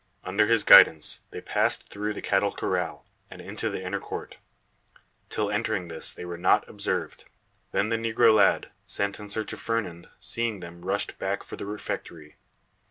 Under his guidance they passed through the cattle corral, and into the inner court. Till entering this they were not observed. Then the negro lad, sent in search of Fernand, seeing them, rushed back for the refectory.